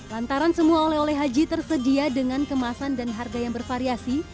lantaran semua oleh oleh haji tersedia dengan kemasan dan harga yang bervariasi